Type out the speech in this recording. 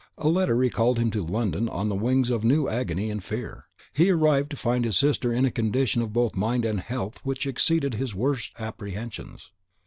A letter recalled him to London on the wings of new agony and fear; he arrived to find his sister in a condition both of mind and health which exceeded his worst apprehensions.